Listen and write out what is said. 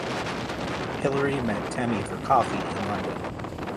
Hillary met Témi for coffee in London